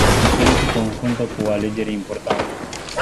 Egiptenii se confruntă cu o alegere importantă.